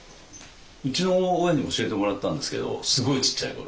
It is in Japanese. うちの親に教えてもらったんですけどすごいちっちゃい頃。